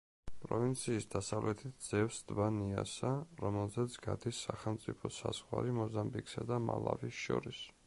პროვინციის დასავლეთით ძევს ტბა ნიასა, რომელზეც გადის სახელმწიფო საზღვარი მოზამბიკსა და მალავის შორის.